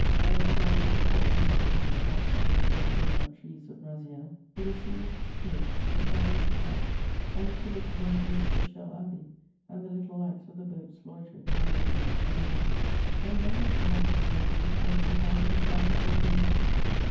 I recall with regret those moments passed under the great chestnut trees of Noisiel! With a soothed spirit, a convalescent heart, I used to look upon the ruins of Chelles Abbey and the little lights of the boats loitering among the willows on the Marne. The remembrance of Madame de Lévis is for me that of a silent autumn evening.